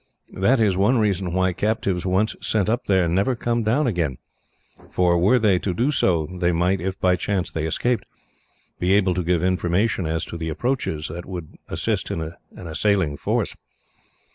That is one reason why captives once sent up there never come down again, for were they to do so they might, if by chance they escaped, be able to give information as to the approaches that would assist an assailing force.